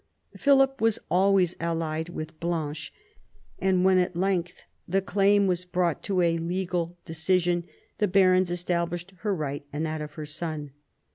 Philip was always allied with Blanche, and when at length the claim was brought to a legal decision the barons established her right and that of her son.